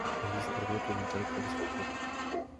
Allí se atrevió a preguntar "¿Cuál es el pueblo?